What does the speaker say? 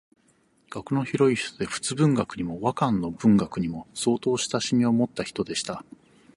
学の広い人で仏文学にも和漢の文学にも相当親しみをもった人でした